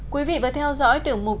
quý vị vừa theo dõi tiểu mục